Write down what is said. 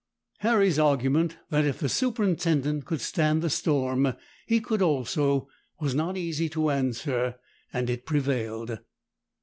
Harry's argument, that if the superintendent could stand the storm he could also, was not easy to answer, and it prevailed.